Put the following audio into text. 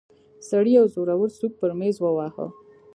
سړي يو زورور سوک پر ميز وواهه.